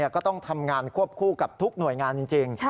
ก็ต้องทำงานควบคู่กับทุกหน่วยงานจริง